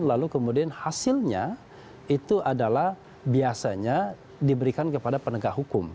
lalu kemudian hasilnya itu adalah biasanya diberikan kepada penegak hukum